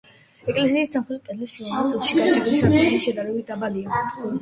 ეკლესიის სამხრეთ კედლის შუა ნაწილში გაჭრილი სარკმელი შედარებით დაბალია.